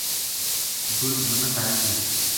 گل منا دارُو دے